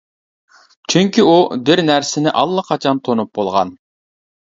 چۈنكى ئۇ بىر نەرسىنى ئاللىقاچان تونۇپ بولغان.